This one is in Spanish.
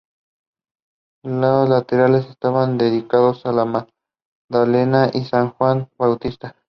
Los laterales estaban dedicados a la Magdalena y a San Juan Bautista.